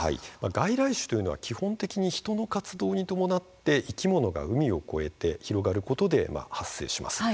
外来種は基本的に人の活動に伴って生き物が海を越えて広がることで発生します。